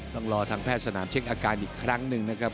ต้องรอทางแพทย์สนามเช็คอาการอีกครั้งหนึ่งนะครับ